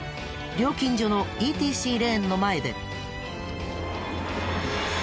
料金所のＥＴＣレーンの前で。